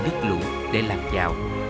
bắt lũ để làm dạo